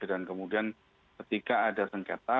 dan kemudian ketika ada sengketa